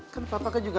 kan papa kan juga